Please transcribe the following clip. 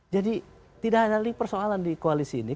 jadi tidak ada lagi persoalan di koalisi ini